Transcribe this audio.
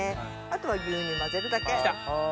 あとは牛乳混ぜるだけ。